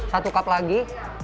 satu cup lagi